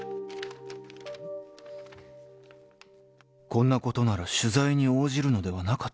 ［「こんなことなら取材に応じるのではなかった」］